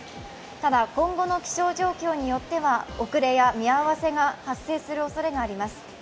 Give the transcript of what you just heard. ただ、今後の気象情報によっては遅れや見合わせが発生するおそれがあります。